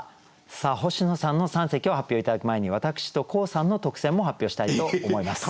星野さんの三席を発表頂く前に私と黄さんの特選も発表したいと思います。